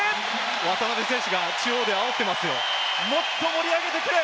渡邊選手が中央で煽ってますよ。